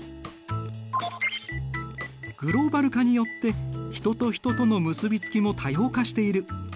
グローバル化によって人と人との結びつきも多様化している。